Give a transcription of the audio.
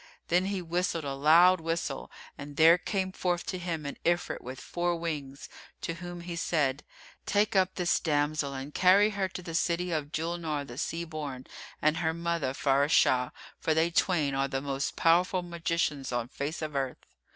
Then he whistled a loud whistle and there came forth to him an Ifrit with four wings, to whom he said, "Take up this damsel and carry her to the city of Julnar the Sea born and her mother Faráshah[FN#346] for they twain are the most powerful magicians on face of earth."